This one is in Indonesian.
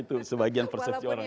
itu sebagian persegi orang